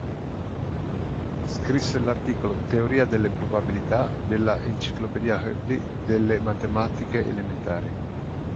Scrisse l'articolo "Teoria delle probabilità" della Enciclopedia Hoepli delle Matematiche elementari.